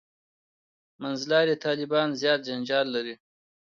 «منځلاري طالبان» زیات جنجال لري.